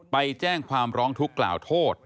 ไปแจ้งความร้องทุกข์กล่าวโทษ